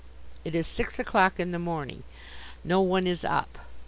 It is six o'clock in the morning. No one is up.